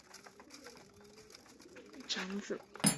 濡须吴氏四世吴景昭之长子。